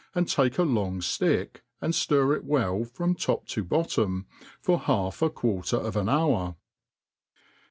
and take a long ftick, and ftir it well from top to bottom, for half a quarter of an hour.